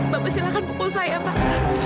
bapak silahkan pukul saya pak